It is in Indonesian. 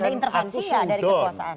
itu kan aku sudut